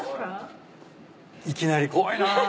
いきなり怖いな。